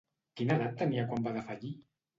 Quina edat tenia quan va defallir?